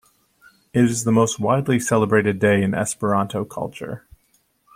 It is the most widely celebrated day in Esperanto culture.